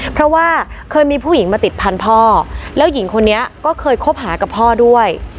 เพราะว่าเคยมีผู้หญิงมาติดพันธุ์พ่อแล้วหญิงคนนี้ก็เคยคบหากับพ่อด้วย